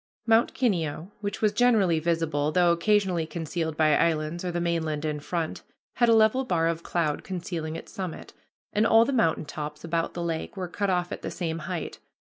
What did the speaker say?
Mount Kineo, which was generally visible, though occasionally concealed by islands or the mainland in front, had a level bar of cloud concealing its summit, and all the mountain tops about the lake were cut off at the same height.